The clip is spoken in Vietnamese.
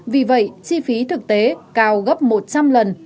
vì vậy chi phí thực tế cao gấp một trăm linh lần